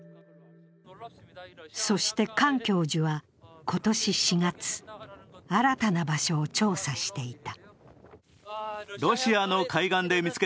そしてカン教授は今年４月、新たな場所を調査していた。